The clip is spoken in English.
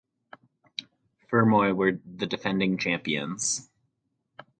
Fermoy were the defending champions.